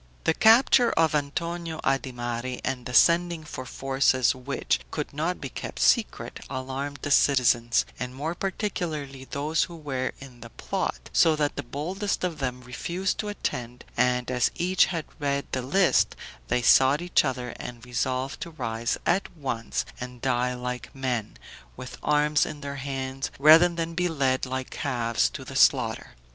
The capture of Antonio Adimari and the sending for forces, which could not be kept secret, alarmed the citizens, and more particularly those who were in the plot, so that the boldest of them refused to attend, and as each had read the list, they sought each other, and resolved to rise at once and die like men, with arms in their hands, rather than be led like calves to the slaughter.